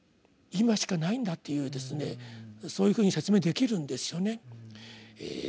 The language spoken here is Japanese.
今しかないんだというそういうふうに説明できるんですよね。